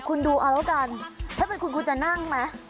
คุณดูระกันถ้าเป็นคุณคุณจะนั่งมั้ย